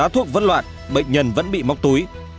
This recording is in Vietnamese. thuốc vẫn loạn bệnh nhân vẫn bị móc túi